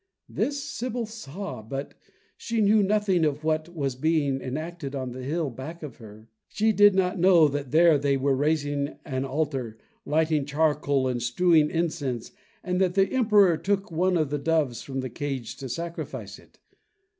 This the sibyl saw, but she knew nothing of what was being enacted on the hill back of her. She did not know that there they were raising an altar, lighting charcoal and strewing incense, and that the Emperor took one of the doves from the cage to sacrifice it.